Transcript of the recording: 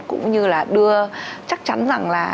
cũng như là đưa chắc chắn rằng là